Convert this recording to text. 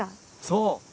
そう！